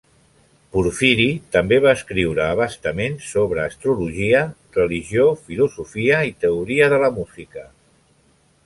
Porfiri també va escriure a bastament sobre astrologia, religió, filosofia i teoria de la música.